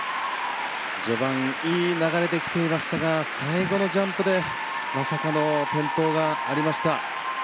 序盤、いい流れできていましたが最後のジャンプでまさかの転倒がありました。